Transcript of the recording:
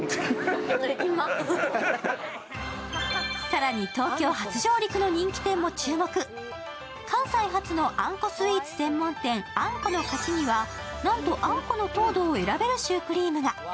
更に、東京初上陸の人気店も注目関西発のあんこスイーツ専門店、あんこの勝ちにはなんとあんこの糖度が選べるシュークリームが。